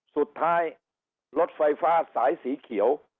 สุดท้ายรถไฟฟ้าสายสีเขียว